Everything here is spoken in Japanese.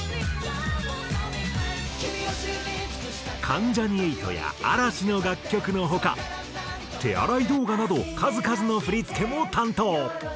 関ジャニ∞や嵐の楽曲の他手洗い動画など数々の振付も担当。